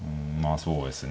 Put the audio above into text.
そうですね。